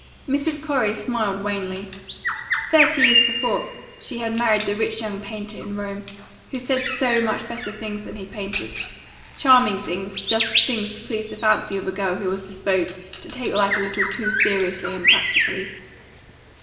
Mrs. Corey smiled wanly. Thirty years before, she had married the rich young painter in Rome, who said so much better things than he painted charming things, just the things to please the fancy of a girl who was disposed to take life a little too seriously and practically.